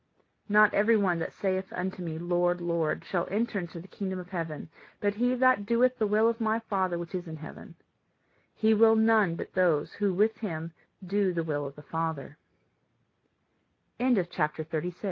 "Not every one that saith unto me, Lord, Lord, shall enter into the kingdom of heaven, but he that doeth the will of my Father which is in heaven. He will none but those who with him do the will of the Father." CHAPTER IV. NURSING.